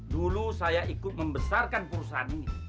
dulu saya ikut membesarkan perusahaan ini